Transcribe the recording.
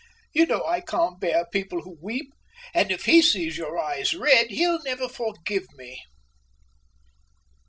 You know I can't bear people who weep, and if he sees your eyes red, he'll never forgive me."